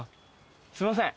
すみません。